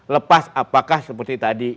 lepas apakah seperti tadi